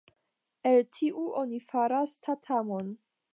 El tiu oni faras tatamon.